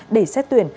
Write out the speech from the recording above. để xét tuyển